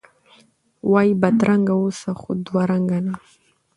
وایی بدرنګه اوسه، خو دوه رنګه نه!